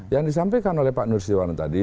yang disampaikan oleh pak nursiwan tadi